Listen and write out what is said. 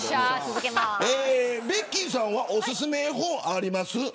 ベッキーさんはお薦めの絵本ありますか。